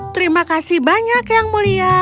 terima kasih banyak yang mulia